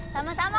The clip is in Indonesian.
sama sama kak boy